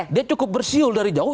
dia cukup bersiul dari jauh